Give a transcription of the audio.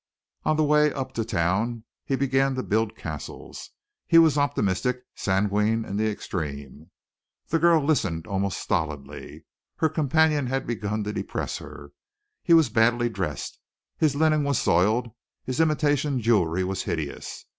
On the way up to town he began to build castles. He was optimistic, sanguine in the extreme. The girl listened almost stolidly. Her companion had begun to depress her. He was badly dressed, his linen was soiled, his imitation jewelry was hideous.